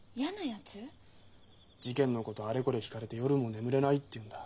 事件のことあれこれ聞かれて夜も眠れないって言うんだ。